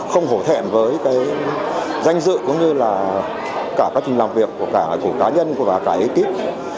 không hổ thẹn với danh dự cũng như là cả các trình làm việc của cả cá nhân và cả ekip